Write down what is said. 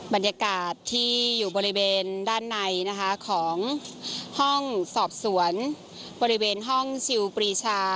บรรยากาศที่อยู่บริเวณด้านในนะคะของห้องสอบสวนบริเวณห้องชิลปรีชา